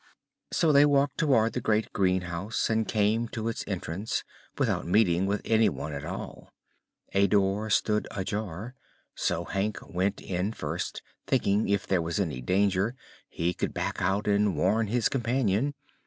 So they walked toward the great greenhouse and came to its entrance without meeting with anyone at all. A door stood ajar, so Hank went in first, thinking if there was any danger he could back out and warn his companion.